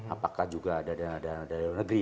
apakah juga dana dari negri